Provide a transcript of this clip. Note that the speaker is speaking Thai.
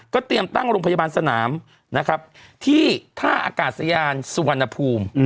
เตรียมตั้งโรงพยาบาลสนามนะครับที่ท่าอากาศยานสุวรรณภูมิ